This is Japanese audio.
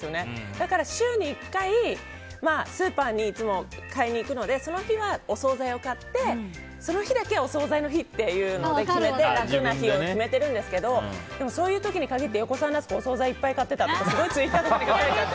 だから週に１回スーパーにいつも買いに行くのでその日はお総菜を買ってその日だけはお総菜の日というのを決めて楽な日を決めてるんですけどそういう時に限って横澤夏子、お総菜いっぱい買ってたとかツイッターとかに書かれちゃって。